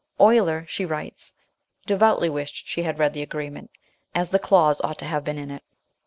Oilier, she writes, devoutly wished she had read the agreement, as the clause ought to have been in it.